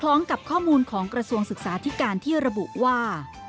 กับข้อมูลของกระทรวงศึกษาธิการที่ระบุว่า